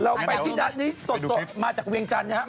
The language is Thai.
เราไปที่ร้านนี้สดมาจากเวียงจันทร์นะครับ